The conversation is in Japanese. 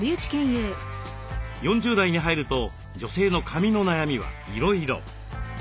４０代に入ると女性の髪の悩みはいろいろ。